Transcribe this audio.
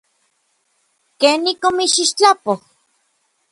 ¿Kenik omitsixtlapoj?